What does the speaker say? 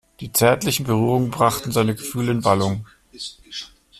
Die zärtlichen Berührungen brachten seine Gefühle in Wallung.